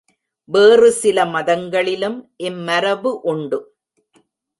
வேறு சில மதங்களிலும் இம்மரபு உண்டு.